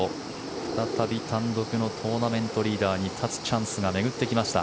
再び単独のトーナメントリーダーに立つチャンスが巡ってきました。